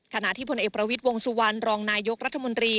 ขณะที่พลเอกประวิทย์วงสุวรรณรองนายกรัฐมนตรี